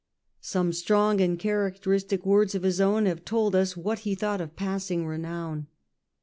^Some strong and characteristic words of his own have told us what he thought of passing renown.